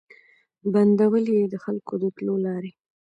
بندولې یې د خلکو د تلو لاري